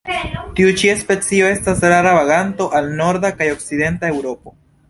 Tiu ĉi specio estas rara vaganto al norda kaj okcidenta Eŭropo.